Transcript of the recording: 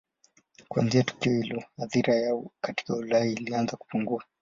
Kuanzia tukio hilo athira yao katika Ulaya ilianza kupungua.